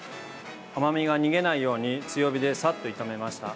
甘みが逃げないように強火でサッと炒めました。